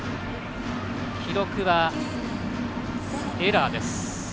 記録は、エラーです。